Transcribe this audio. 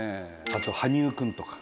あと羽生君とか。